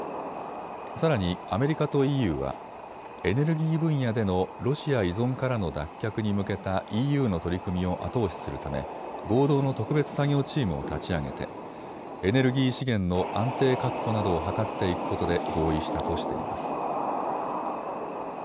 さらにアメリカとＥＵはエネルギー分野でのロシア依存からの脱却に向けたＥＵの取り組みを後押しするため合同の特別作業チームを立ち上げてエネルギー資源の安定確保などを図っていくことで合意したとしています。